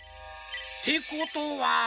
てことは。